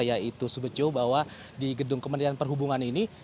yaitu subetjo bahwa di gedung kemudian perhubungan ini